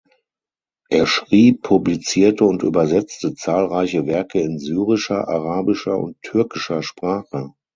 Er schrieb, publizierte und übersetzte zahlreiche Werke in syrischer, arabischer und türkischer Sprache.